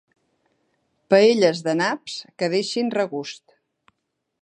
Paelles de naps que deixin regust.